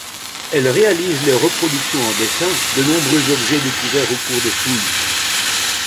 Elle réalise les reproductions en dessin de nombreux objets découverts au cours des fouilles.